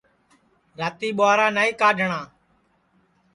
راتی ٻُہارا نائیں کڈؔھٹؔاں